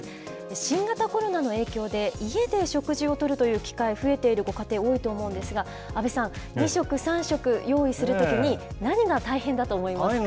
新型コロナの影響で、家で食事をとるという機会、増えているご家庭、多いと思うんですが、阿部さん、２食、３食用意するときに、何が大変だと思いますか？